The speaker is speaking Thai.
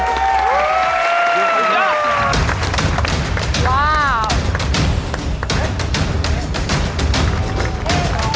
โอ้โฮโอ้โฮโอ้โฮโอ้โฮ